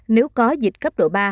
nếu có dịch cấp độ ba